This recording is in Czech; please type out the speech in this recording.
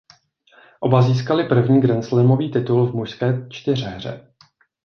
Oba získali první grandslamový titul v mužské čtyřhře.